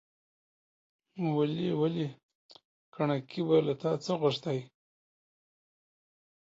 ولي! ولي! کڼکۍ به له تا څه غوښتاى ،